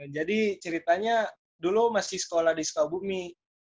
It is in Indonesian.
jadi ceritanya dulu masih sekolah di sukabumi